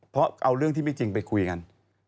เพราะเอาเรื่องที่ไม่จริงไปคุยกัน